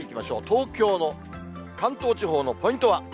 東京の、関東地方のポイントは。